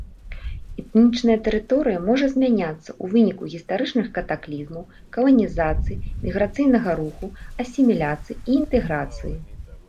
Этнічная тэрыторыя можа змяняцца ў выніку гістарычных катаклізмаў, каланізацыі, міграцыйнага руху, асіміляцыі і інтэграцыі.